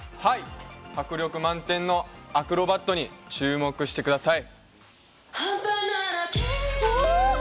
迫力満点のアクロバットに注目してください。